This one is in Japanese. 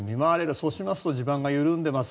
そうしますと地盤が緩んでいます。